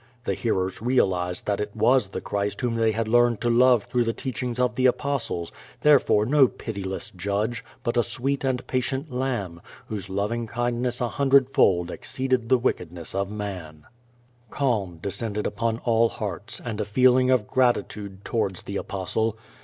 The hearers realized that it was the Christ whom they had learned to love through the teachings of the Apostles, there fore no pitiless judge, but a sweet and patient lamb, whose loving kindness a hundredfold exceeded the wickedness of man. QVO VADIS. 337 Calm descended upon all hearts^ and a feeling of gratitude towards the Apostle.